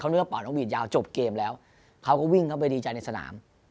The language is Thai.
เขารู้ว่าเป่านกหวีดยาวจบเกมแล้วเขาก็วิ่งไปในสนาม